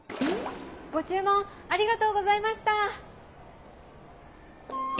ご注文ありがとうございました！